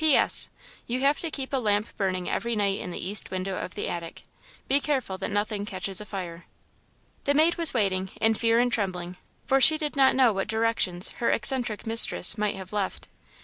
"P. S. You have to keep a lamp burning every night in the east window of the attic. Be careful that nothing catches afire." The maid was waiting, in fear and trembling, for she did not know what directions her eccentric mistress might have left.